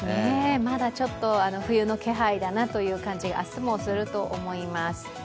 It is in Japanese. まだちょっと冬の気配だなという感じが明日もすると思います。